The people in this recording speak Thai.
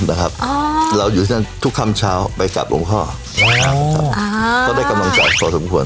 นะครับอ๋อเราอยู่ที่นั่นทุกคำเช้าไปกลับหลวงพ่ออ่าก็ได้กำลังใจพอสมควร